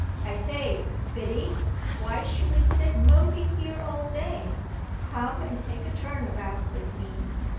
"I say, Biddy, why should we sit moping here all day? Come and take a turn about with me."